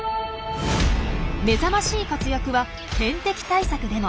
目覚ましい活躍は天敵対策でも。